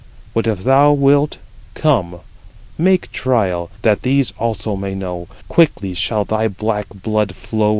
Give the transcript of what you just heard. But if [thou wilt], come, make trial, that these also may know: quickly shall thy black blood flow around my lance."